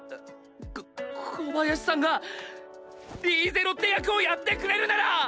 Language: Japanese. こ小林さんがリーゼロッテ役をやってくれるなら！